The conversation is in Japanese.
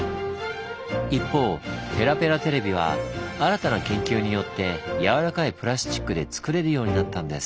一方ペラペラテレビは新たな研究によってやわらかいプラスチックでつくれるようになったんです。